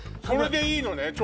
それでいいのね？